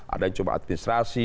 ada yang cuma administrasi